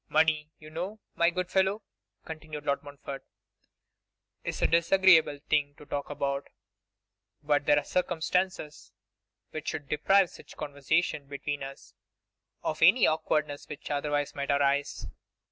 'Money, you know, my good fellow,' continued Lord Montfort, 'is a disagreeable thing to talk about; but there are circumstances which should deprive such conversation between us of any awkwardness which otherwise might arise.